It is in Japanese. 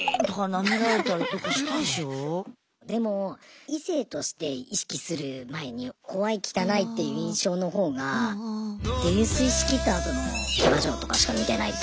なんつってでも異性として意識する前に怖い汚いっていう印象の方が泥酔しきったあとのキャバ嬢とかしか見てないと。